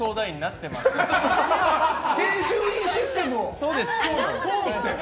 そうですね。